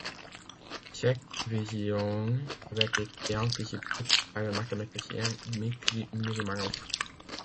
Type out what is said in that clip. Cette vision avait été anticipée par le mathématicien Dmitry Mirimanoff.